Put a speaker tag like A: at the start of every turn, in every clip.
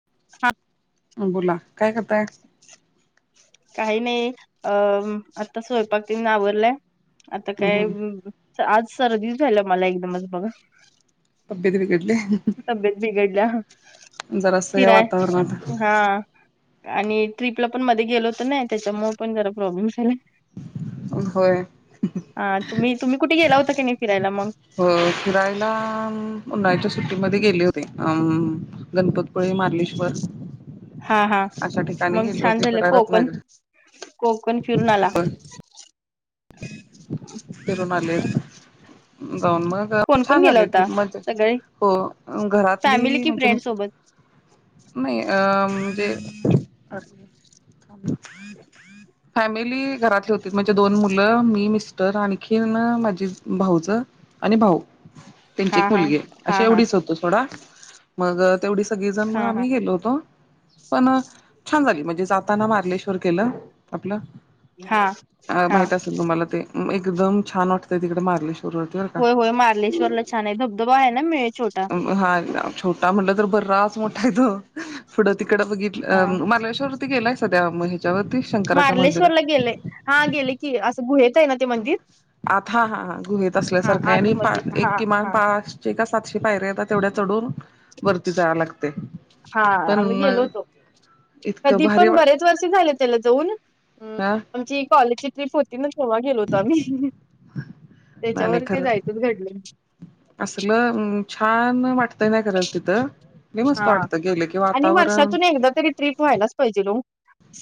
A: [inaudible]
B: अ बोला. काय करताय?
A: काही नाही अं आता स्वयंपाक तेन आवरलाय आता काय अं अं आज सर्दीचं झाल्या मला एकदमचं बघा.
B: तब्येत बिघडली
A: तब्येत बिघडल्या.
B: जरासं या
A: फिराय
B: वातावरणात
A: अ हा. आणि ट्रिपला पण मध्ये गेलो होतो नाही त्याच्यामुळं पण जरा प्रॉब्लेम झालाय.
B: अ होय.
A: अ तुम्ही तुम्ही कुठे गेला होता की नाही फिरायला मग?
B: अ फिरायला अं उन्हाळ्याच्या सुट्टीमध्ये गेले होते. अं गणपतपुळे, मारलेश्वर
A: हा हा
B: अशा ठिकाणी
A: मग
B: गेले
A: छान
B: होते,
A: झालं
B: परा
A: कोकण
B: रत्नागर
A: कोकण फिरून आला?
B: फिरून आलेत. जाऊन मग हं
A: कोण कोण
B: छान
A: गेला
B: झाली
A: होता
B: ट्रिप मजेत.
A: सगळे
B: हो घरातली
A: फॅमिली कि
B: म्हणजे
A: फ्रेंड सोबत
B: नाही अ म्हणजे [unintelligible] फॅमिली घरातले होती, म्हणजे दोन मु मुलं मी मिस्टर आणखीनं माझी भावजं आणि भाऊ. त्यांची
A: हा
B: एक
A: हा
B: मुलगी
A: हा
B: असे
A: हा
B: एवढीच होतो सोडा. मग तेवढी सगळीजण
A: हा
B: मग
A: हा
B: आम्ही गेलो होतो. पण छान झाली, म्हणजे जाताना मार्लेश्वर केलं आपलं.
A: हा हा.
B: माहित असेल तुम्हाला ते एकदम छान वाटतंय तिकडे मारलेश्वरला.
A: होय होय मार्लेश्वरला छान आहे. धबधबा आहे ना मिळ
B: हा छोटा म्हणलं तर बराच मोठा आहे तो. पुढं तिकड
A: हा
B: बघितलं, मालवेश्वरवरती गेलायसा त्या मग ह्याच्यावरती शंकराच्या मंदिरात?
A: गेलंय. हा गेले की, असं गुहेेत आहे ना ते मंदिर?
B: आता हा हा गुहेत
A: हा
B: असल्यासारखं हाय आणि पा
A: आतमध्ये
B: एक
A: हा
B: किमान
A: हा
B: पाच शे का सातशे पायऱ्या आता तेवढ्या चढून वरती जायाय लागतंय.
A: हा आम्ही गेलो होतो.
B: इतकं भारी
A: कधीपण
B: वाट
A: बरेच वर्षी झाले त्याला जाऊन.
B: हा
A: आमची कॉलेजची ट्र्रीप होती ना तेव्हा गेलो होतो आम्ही. त्याच्यावर काय जाय [unintelligible] घडलंय.
B: असल छान वाटतंय ना खरच तिथं लय मस्त
A: हा
B: वाटतं गेलं की
A: आणि
B: वातावरण
A: वर्षातून एकदा तरी ट्रीप व्हायलाच पाहिजे ओ.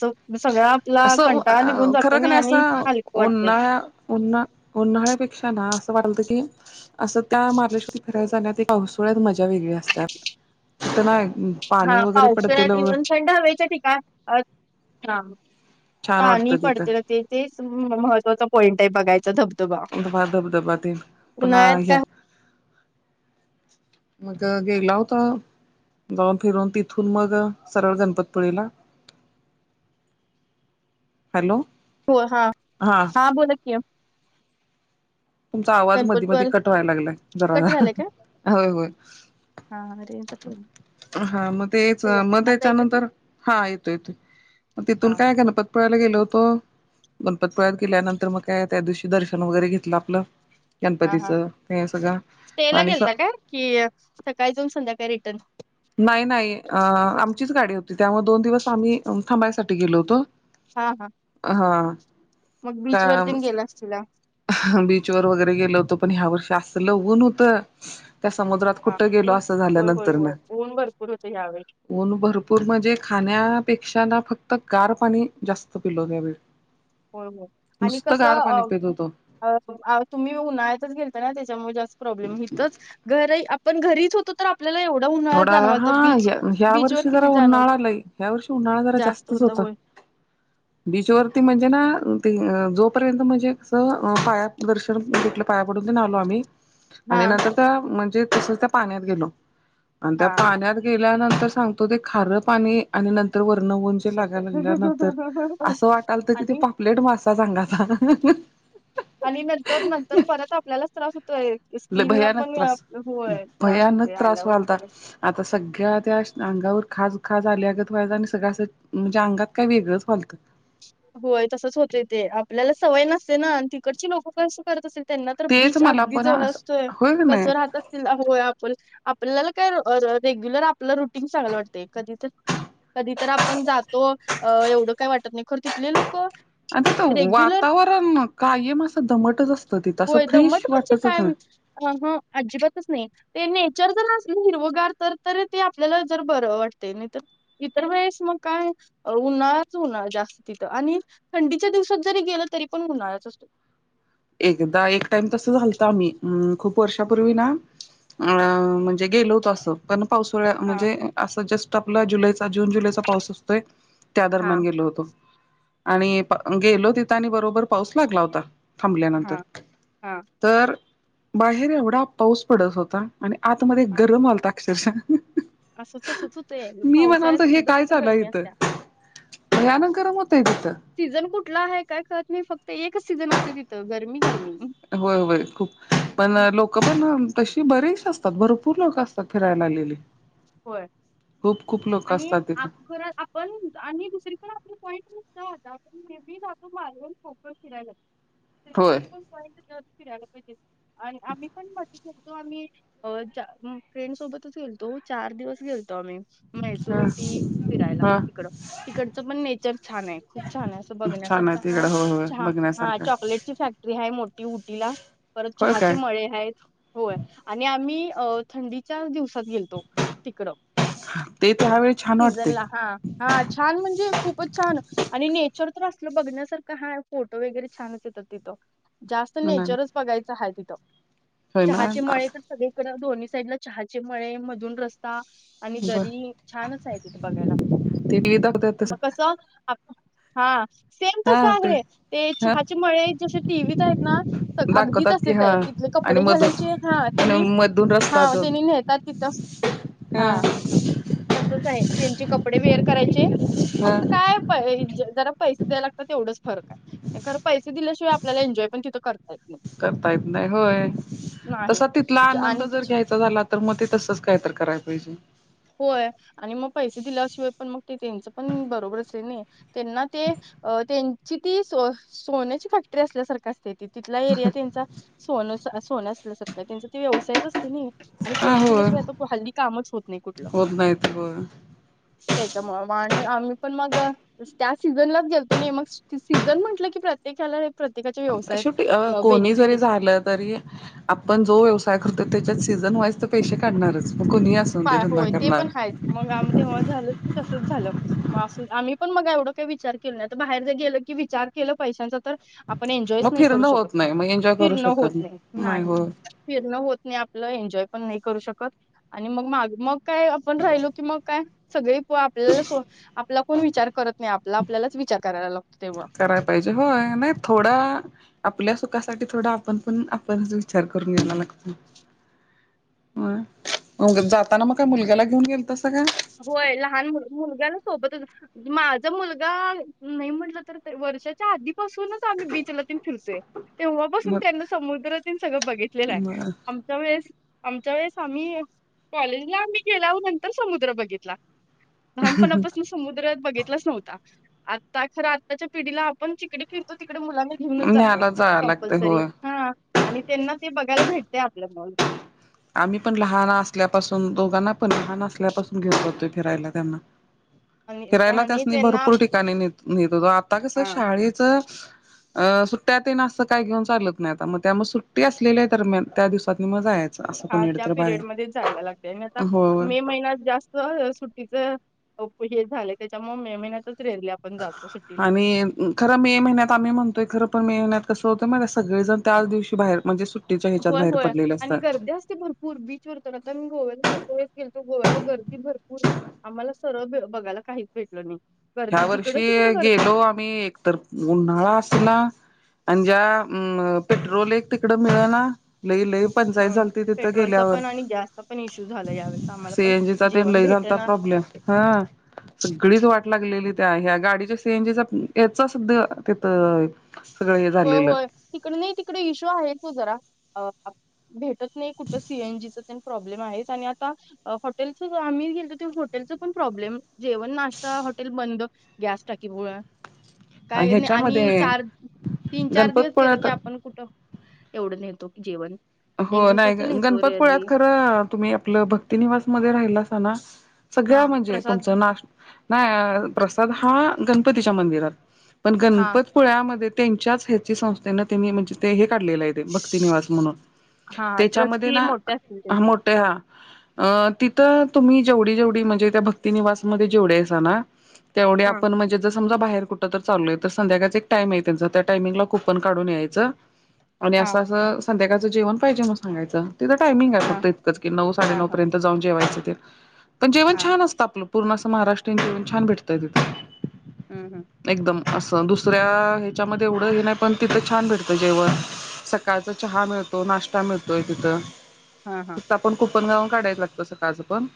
A: सग सगळा आपला
B: असं
A: कंटाळा निघून जातोय नाही आणि हालकं वाटतंय.
B: उन्हा-उन्हाळ्यापेक्षा ना असं वाटालत की असं त्या मार्लेश्वरला फिरायला जाण्यात व्यवस्था एक पावसोळ्यात मजा वेगळी असत्यात. तर ना पाणी
A: हा
B: वगैरे पडतेल
A: पावसाळ्यात ईवन थंड हवेचे ठिकाण अ हा
B: छान वाटतं
A: पाणी
B: तिथं
A: पडतेलं ते. तेच महत्वाचा पॉईंट आहे बघायचं धब
B: [unintelligible] धबधबा तेन पुन्हा
A: उन्हाळ्यात काय
B: या
A: [unintelligible]
B: मग गेला होता जाऊन फिरून तिथून मग सरळ गणपतीपुळेला.
A: [inaudible]
B: हॅलो.
A: होय हा. हा बोल की.
B: तुमचा आवाज
A: कनपुट
B: मधी मधी
A: पर
B: कट व्हाय लागलाय.
A: कट
B: जराजरा होय होय.
A: हां अरे
B: हा मग तेच मग
A: आता ऐकू येतंय
B: त्याच्यानंतर हा येतो येतोय. तिथून
A: हा
B: काय गणपत पडायला गेलो होतो. गणपतीपुळ्यात गेल्यानंतर मग काय त्या दिवशी दर्शन वगैरे घेतलं. आपलं
A: हा हा
B: गणपतीचं ते सगळं आणि प
A: की सकाळी जाऊन संध्याकाळी रिटर्न.
B: नाही नाही अ आमचीस गाडी हो ते त्यामुळे दोन दिवस आम्ही अम थांबायसाठी गेलो होतो.
A: हा हा.
B: अ हा.
A: मग बीच वरतीतेन गेलास तिला.
B: बीच वर वगैरे गेलो होतो पण ह्या वर्षी असलं ऊन होतं त्या समुद्रात
A: हा
B: कुठं गेलो
A: ऊन
B: असं
A: होय होय
B: झाल्यानंतर न.
A: होय ऊन भरपूर होतय यावेळी.
B: ऊन भरपूर म्हणजे खाण्यापेक्षा ना फक्त गार पाणी जास्त पिलं द्यावे.
A: होय हो आणि कसं
B: पाणी
A: अ
B: पित होतो.
A: हाव आ तुम्ही उन्हाळ्यातच गेलता ना त्याच्यामुळे जास्त प्रॉब्लेम हिथच घर आहे आ पण घरीच होतो तर आप आपल्याला एवढा उन्हाळा
B: थोडा हा
A: जाणवता बीच
B: ह्या
A: बीचवर
B: वर्षी जरा
A: किती जाणवत
B: उन्हाळा लई ह्या वर्षी उन्हाळा जरा
A: जास्त
B: जास्तच
A: होतं
B: होता.
A: होय. [inaudible]
B: बीचवरती म्हणजे ना ते अ जोपर्यंत म्हणजे कसं अ पायात दर्शन भेटलं पाया पडून तेन आलो आम्ही
A: हा
B: आणि नंतर त्या म्हणजे तसच त्या पाण्यात गेलो. आणि त्या
A: हा
B: पाण्यात गेल्यानंतर सांगतो ते खारं पाणी आणि नं तर वर्ण वंचे
A: सपक
B: लागायला लागल्या नंतर असं वाटाल तर कि ते
A: आणि
B: पापलेट मासा सांगाचा.
A: आणि नंतर नंतर परत आपल्यालाच त्रास होतोय.
B: लई
A: स्किन ला
B: भयानक
A: पण
B: त्रास.
A: होय त्रास
B: भयानक
A: होतय
B: त्रास
A: आल्यावर
B: व्हालता
A: परत.
B: आता सगळ्या त्याश अंगावर खाज-खाज आल्यागत व्हायत आणि सगळ्या म्हणजे अंगात काय वेगळंच वालतं.
A: होय तसच होते ते आपल्याला सवय नसते ना आणि तिकडची लोकं कशी करत असतील? त्यांना तर
B: तेच
A: बीच
B: मला
A: अगदी
B: पण
A: जवळ
B: असं
A: असतोय
B: होय की नाही
A: कसं राहतात तील आ होया आपल आपल्याला काय अ र रेग्युलर आपला रुटीन चांगायला वाटतं कधी तर कधी तर आपण जातो अ एवढं काय वाटत नाही खरं तिथले लोकं
B: आणि तिथं वातावरण कायम असं दमटच असतं तिथं असं फ्रेश वाटचच नाय.
A: आ हां आजीबातच नाही. ते नेचर जर असलं हिरवगार तर तर ते आपल्याला जर बरं वाटते नाही तर इतर वेळेस मग काय उन्हाळाच उन्हाळा जास् तिथं आणि थंडीच्या दिवसात जरी गेलं तरी पण उन्हाळाच असतो.
B: एकदा एक टाइम तसं झालता आम्ही खूप वर्षापूर्वी ना [unintelligible] म्हणजे गेलो होतं असं. पण पावसाळ्या
A: हा
B: म्हणजे असं जस्ट आपला जुलैचा जून जुलैचा पाऊस असतोय. त्या
A: हा
B: दरम्यान गेलो होतो आणि पा अ गेलो तिथं आणि बरोबर पाऊस लागला होता. थांबल्यानंतर
A: हा हा
B: तर बाहेर एवढा पाऊस पडत होता. आणि आतमध्ये
A: हा
B: गरम होलता अक्षरश.
A: असंच असंच होतय पावसाळ्यात
B: हे
A: सुद्धा
B: काय
A: तिथं
B: चालूय
A: गरमी
B: इथं
A: असत्या.
B: भयानक गरम होतय तिथं.
A: सीझन कुठला नाय काय कळत नाही फक्त एकच सीझन असू तिथं गरमी गरमी.
B: होय होय खूप पण लोकं पण तशी बरीेच असतात भरपूर लोकं असतात फिरायला आलेली.
A: होय
B: खूप खूप लोक
A: आणि
B: असतात
A: आप
B: तिथं
A: जरा आप पण आणि दुसरी पण आपली पॉईंट नसतं आता पण [unintelligible] फिराय जात. [inaudible]
B: होय.
A: [unintelligible] फिरायला पाहिजे आणि आम्ही पण मधी तो आम्ही अं फ्रेंड सोबतच गेलतो चार दिवस गेलतो आम्ही. म्हैसूर
B: ह
A: उटी फिरायला
B: ह
A: तिकडं, तिकडचं पण नेचर छान आहे खूप छान आहे. असं
B: छान आहे
A: बघण्यासारखं
B: तिकडं
A: हाय.
B: होय होय
A: चहा हा
B: बघण्यासारखं
A: चॉकलेटची फॅक्टरी हाय मोठी उटीला. परत
B: होय
A: चहाचे
B: काय
A: मळे आहेत होय आणि आम्ही अ थंडीच्या दिवसात गेलतो. तिकडं
B: हा ते तर ह्यावेळी छान वाटतंय.
A: सीझनला हा हा छान म्हणजे खूपच छान. आणि नेचर तर असलं बघण्यासारखं हाय, फोटो वगैरे छानच येतात तिथं. जास्त नेचरच बघायचं आहे तिथं.
B: होय ना
A: चहाचे मळे तर सगळे परत दोन्ही साईडला चहाचे मळे मधून रस्ता. आणि
B: बर
A: दरी छानच आहे तिथे बघायला.
B: ते टी व्ही दाखवतात
A: मग
B: तसं
A: कसं आप हा सेम तसं आहे, ते
B: हा
A: चहाचेमळे जसे टीव्हीत आहेत ना अगदी
B: दाखवतात की
A: तसेच
B: हा
A: आहे. तिथले
B: आणि
A: कपडे घालायचे हा
B: मधून आणि
A: त्यांनी
B: मधून रस्ता
A: हा
B: तो
A: त्यांनी नेताात तिथं
B: ह
A: हा तसंच आहे. त्यांची कपडे वेअर करायचे,
B: ह
A: फक्त काय जरा पैसे द्याय लागतात तेवढच फरक आहे. खर पैसे दिल्याशिवाय आपल्याला एन्जॉय पण तिथं करत
B: करता येत नाही होय.
A: नाही
B: तसा तिथला
A: च-
B: आनंद
A: आणि ते
B: जर घ्यायचा झाला तर मग ते तसंच काय तर कराय पाहिजे.
A: होय आणि मग पैसे दिल्याशिवाय पण मग ते त्यांचं पण बरोबरच हाय नाही. त्यांना ते अ त्यांची ती सो-सोन्याची फॅक्टरी असल्यासारखं असतंय ते तिथला एरिया त्यांचा सोनंच सोनं असल्यासारखं त्यांचा ते व्यवसायच असतंय नाही. आणि
B: हा
A: पैसे
B: होय
A: दिल्याशिवाय आ हल्दी कामच होत नाही.
B: होत नाहीतर बघ.
A: त्याच्यामुळं आणि आम्ही पण मग त्या सीझनलाच गेलतो नाही, मग सीझन म्हटलं की प्रत्येकाला हे
B: शेवटी अ कोणी जरी झालं तरी आपण जो व्यवसाय करतो त्याच्यात सीझन वाईज तर पैसे काढणारच. मग कोणीही असून
A: पा
B: दे धंदा
A: होय ते पण
B: करणारा.
A: आहेच मग आम्ही तेव्हा झालंच की तसंच झालं. मग असं आम्ही पण मग काय एवढं काही विचार केल नाही. आता बाहेर जर गेलं की विचार केलं पैशांचा तर आपण एन्जॉयच
B: मग
A: नाही करू
B: फिरणं
A: शकत.
B: होत नाही मग एन्जॉय करू
A: फिरणं
B: शकत नाही
A: होतं नाही नाही.
B: होय
A: फिरणं होत नाही आपलं, एन्जॉय पण नाही करू शकतं. आणि मग माग मग काय आपण राहिलो की मग काय सगळी आपल्याला सो आपला कोण विचार करत नाही. आपला आपल्यालाच विचार करायला लागतोय तेव्हां.
B: कराय पाहिजे, होय. नाही थोडा आपल्या सुखासाठी थोडा आपण पण आपण विचार करून घ्यायला लागतोय. होय, मग जाताना मग काय मुलग्याला घेऊन गेलतासा काय?
A: होय लहान मु-मुलग्याला सोबतच माझा मुलगा नाही म्हटलं तर ते वर्षा च्या आधीपासूनच आम्ही बीचला तेन फिरतोय. तेव्हा पासून
B: मग
A: त्यांना समुद्रतेन सगळं बघितलेलं आहे. आम च्या वेळेस आमच्या वेळेस आम्ही कॉलेजला आम्ही गेल्यावर नंतर आम्ही समुद्र बघितला. लहानपणापासनच समुद्रात बघितलाच नव्हता. आता खर आताच्या पिढीला आपण जिकडे फिरतो तिकडे मुलांना घेऊनच जातो
B: न्यायला जाया लागतंय
A: कंपल्सरी.
B: होय.
A: हा आणि त्यांना ते बघायला भेटते आपलं [unintelligible]
B: आम्ही पण लहान असल्यापासून, दोघांना पण लहान असल्यापासून घेऊन जातोय फिरायला त्यांना.
A: आणि
B: फिरायला
A: आणि
B: त्यासनी
A: त्यांना
B: भरपूर ठिकाणी नेत न्हेत होतो. आता कसं
A: हा
B: शाळेच अ सुट्ट्या तेन असं काय घेऊन चालत नाही आता. मग त्यामुळं सुट्टी असलेल्या दरम्यान त्या दिवसातनी म जायचं.
A: हा त्या पिरियड मध्येच जायला लागतंय आणि आता
B: होय.
A: मे महिन्यात जास्त. सुट्टीच हे झाले त्यांच्यामुळेच मे महिन्यातच रीयरली.
B: आणि खर मे महिन्यात आम्ही म्हणतोय खरं पण महिन्यात कसं होतंय माहिती हाय, सगळेजण त्याच दिवशी बाहेर म्हणजे सुट्टी तेच्या ह्याच्यात बाहेर पडलेले असतात.
A: र्दी असते भर पूर बीच वर तर आता मी गोव्याला जातोय गेलतो, गोव्याला गर्दी भरपूर. आम्हाला सरळ बघायला काहीच भेटल नाही.
B: ह्या
A: गर्दी जिकडं
B: वर्षी
A: तिकडं गर्दी.
B: गेलो आम्ही, एकतर उन्हाळा असला आणि ज्या अम पेट्रोल एक तिकडं मिळना, लई लई.
A: ह
B: पंचायत झालते तिथं
A: पेट्रोलचा
B: गेल्यावर,
A: पण आणि गॅसचा पण इश्यू झाला यावेळेस आम्हाला पण
B: सीएनजीचा तेन
A: जेवण
B: लई झालता
A: भेटना
B: प्रॉब्लेम. हां सगळीच वाट लागलेली त्या ह्या गाडीच्या सीएनजीचा याचा सुद्धा तिथं सगळं हे
A: होय
B: झालेलं
A: होय तिकडे नाही तिकडे इशू आहेच ओ जरा. अ भेटत नाही कुठं सीएनजीचं तेन प्रॉब्लेम आहेच आणि आता हॉटेलच आम्ही गेलतो त्यावेळेस हॉटेलचं पण प्रॉब्लेम, जेवण नाश्ता हॉटेल बंद. गॅस टाकी बुळ,
B: आणि
A: काय नाही आणि
B: ह्याच्यामध्ये
A: चार तीन चार दिवस गेलं
B: गणपतपुळ्यात
A: की आपण कुठं एवढं नेतो की जेवण एक
B: हो नाही
A: दिवसाचं नेतो
B: गणपतपुळ्यात
A: रेअरली
B: खरं तुम्ही आपलं भक्ती निवास मध्ये राहिलासा ना सगळ्या
A: हा
B: म्हणजे
A: प्रसाद
B: तुमचं नाश् नाय प्रसाद हा गणपतीच्या मंदिरात. पण
A: हा
B: गणपतीपुळ्यामध्ये तेच्याच ह्याची संस्थेनं तेनी म्हणजे ते हे काढलेले येत. ते भक्ती निवास म्हणून,
A: हा
B: त्याच्यामध्ये
A: ट्रस्टी
B: ना
A: मोठे असतील त्यांचे
B: मोठे हा अ तिथं तुम्ही जेवढी जेवढी म्हणजे त्या भक्तीनिवास मध्ये जेवढं हायसा ना तेवढे
A: हा
B: आपण म्हणजे जर समजा बाहेर कुठं तर चाललोय तर संध्याकाळचं एक टाइम आहे त्यांच. त्या टाइमिंगला कुपन काढून यायचं. आणि
A: हा
B: असं असं संध्याकाळंचं जेवण पाहिजे म्हणून सांगायचं, तिथं टाइमिंग आहे.
A: हा
B: फक्त इतकंच की नऊ साडे
A: हा हा
B: नऊपर्यंत. ठं जाऊन जेवायचं ते, पण जेवण
A: हा
B: छान असतं आपलं. पूर्ण असं महाराष्ट्रीयन जेवण छान भेटतंय तिथं.
A: अं हम्म.
B: एकदम असं दुसऱ्या ह्याच्यामध्ये एवढं हे नाही, पण तिथं छान भेटतं जेवण. सकाळचा चहा मिळतो. नाश्ता मिळतोय तिथं.
A: हा हा.
B: पण कुपन गाऊन काढायचं लागत सकाळ पण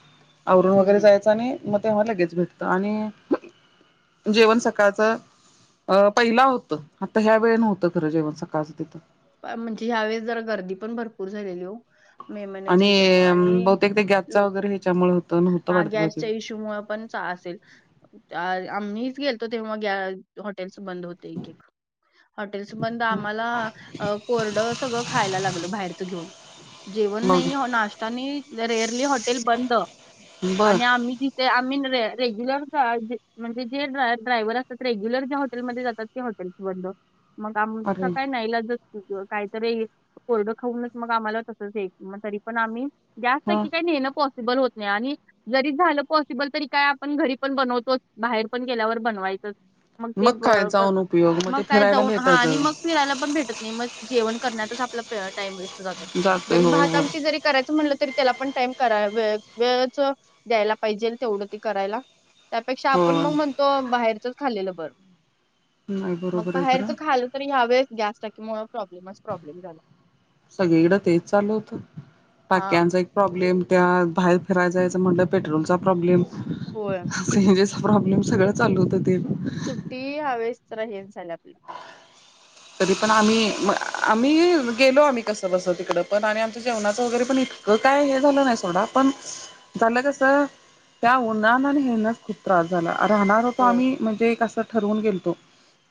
B: आवरुण
A: हम्म
B: वगैरे
A: हम्म
B: जायचं आणि. मग तेव्हा लगेच भेटतं आणि जेवण सकाळचं अ पहिला होतं, आता ह्यावेळे नव्हतं खरं जेवण सकाळचं तिथं.
A: अं म्हणजे ह्या वेळेस जरा गर्दी पण भरपूर झालेली हो. मे महिन्याच्या
B: आणि
A: ह्याच्यामुळे आणि
B: बहुतेक ते गॅसच्या
A: लोक
B: वगैरे ह्याच्यामुळं
A: हा गॅसच्या इश्यूमुळं पण असेल. आम्ही गेलतो तेव्हा ग्या हॉटेल्स बंद होते एक एक. हॉटेल्स बंद आम्हाला अ कोरडं सगळं खायला लागलं बाहेरचं घेऊन. जेवण
B: मग
A: नाही हे नाष् त्यांनी रेअरली हॉटेल बंद
B: बर
A: आणि आम्ही ती ते आम्ही रे रेग्युलरच्या म्हणजे ड्रायव्हर ड्रायव्हर असतात रेग्युलर ज्या हॉटेलमध्ये जातात ते हॉटेल बंद, मग आपण
B: अरे
A: सकाळी न्यायला जर उगं काहीतरी कोरडं खाऊनच मग आम्हाला तसंच द्यायचं, मग तरी पण आम्ही जास्त
B: ह
A: की काही न्हेन पॉसिबल होत नाही. आणि जरी झालं पॉसिबल तरी काय, आपण घरी पण बनवतोच बाहेर पण गेल्यावर बनवायचंच. मग ते
B: काय
A: बग
B: जाऊन उपयोग
A: मग
B: ते
A: काय
B: फिरायला
A: जाऊन हा
B: मिळतात
A: आणि मग. फिरायला पन भेटत नाही. मग जेवन करण्यातच आपला टाइम वेस्ट जातोय, जरी
B: होय
A: भात
B: होय
A: आमटी जरी. करायचं म्हटलं तरी त्याला पण टाइम करा वेळच द्यायला पाहिजे तेवढं ते करायला. त्यापेक्षा आपण
B: होय
A: मग म्हणतो. बाहेरचंच खाल्लेलं बर
B: नाही
A: मग
B: बरोबर आहे
A: बाहेरच
B: खरं
A: खाल तरी ह्या वेळेस गॅस टाकी मुळं प्रॉब्लेमच प्रॉब्लेम झाला.
B: सगळीकडें तेच चालू होतं.
A: हा.
B: टाक्यांचा एक प्रॉब्लेम त्या बाहेर फिराय जायचं म्हणलं. पेट्रोलचा प्रॉब्लेम,
A: होय
B: सीएनजीचा प्रॉब्लेम सगळं चालू होतं ते.
A: ती ह्या वेळेस जरा हेच झाल्यात.
B: तरी पण आम्ही म आम्ही गेलो आम्ही कसं बस तिकडं पण आणि आमचं जेवणाचं वगैरे पण इ काय हे झालं नाही सोडा पण, झालं कसं त्या उन्हान आणि हेन खूप. त्रास झाला राहणार होतो
A: होय
B: आम्ही, म्हणजे एक असं ठरवून गेलतो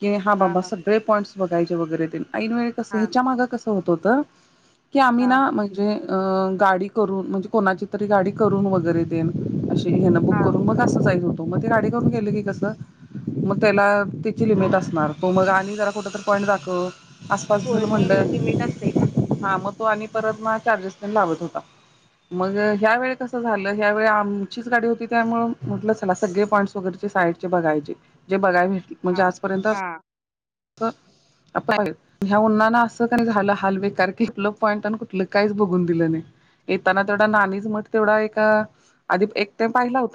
B: की हा बाबा सगळे पॉइंट्स. बघायचे वगैरे तेन ऐन वेळी कस
A: हा
B: हेच्या, माग कसं होत होतं की आम्ही ना.
A: हा
B: म्हणजे गाडी करून म्हणजे, कोणाची तरी गाडी करून वगैरे तेन. अशी हेन बुक
A: हा
B: करून मग अस जायचो. मग गाडी करून गेली की कसं, मग त्याला तिची लिमिट असणार तो मग आणि जरा कुठ तर. पॉइंट दाखव आसपास
A: होय
B: चल
A: नाही
B: म्हणल.
A: लिमिट असते
B: हा मग तो आणि परत मग चार्जेस तेन लावत होता. मग ह्या वेळी कसं झालं ह्या वेळी आमचीच गाडी होती. त्यामुळं म्हटलं चला सगळे पॉईंट्स वगैरेचे साईड. बघायचे जे बघाय भेट म्हणजे
A: हा
B: आजपर्यंत.
A: हा.
B: आता हे ह्या उन्हान असं काय झालं हाल बेकार की, कुठलं पॉईंट अन् कुठलं काय काहीच बघून दिलं नाय. येताना तेवढा नाणीच मठ तेवढा एक आधी एकदा पाहिला होता.